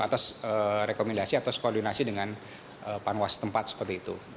atas rekomendasi atau koordinasi dengan panwas tempat seperti itu